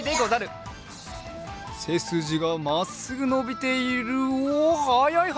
せすじがまっすぐのびているおおはやいはやい。